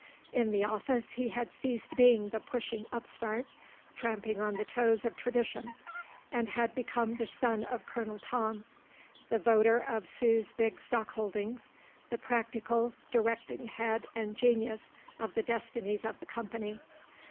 In the office he had ceased being the pushing upstart tramping on the toes of tradition and had become the son of Colonel Tom, the voter of Sue's big stock holdings, the practical, directing head and genius of the destinies of the company.